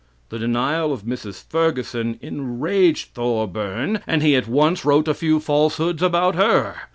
The denial of Mrs. Ferguson enraged Thorburn, and he at once wrote a few falsehoods about her.